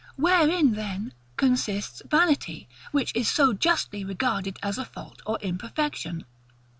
Wherein, then, consists Vanity, which is so justly regarded as a fault or imperfection.